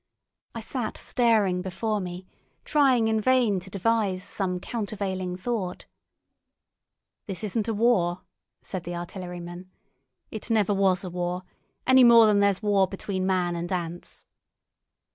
I sat staring before me, trying in vain to devise some countervailing thought. "This isn't a war," said the artilleryman. "It never was a war, any more than there's war between man and ants."